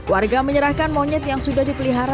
warga menyerahkan monyet yang sudah diperlukan oleh warga